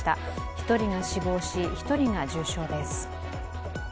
１人が死亡し１人が重傷です。